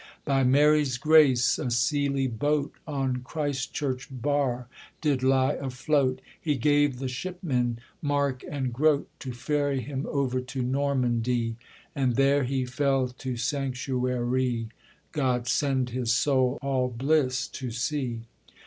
By Mary's grace a seely boat On Christchurch bar did lie afloat; He gave the shipmen mark and groat, To ferry him over to Normandie, And there he fell to sanctuarie; God send his soul all bliss to see.